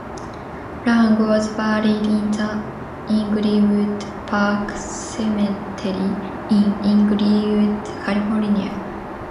Lang was buried in the Inglewood Park Cemetery, in Inglewood, California.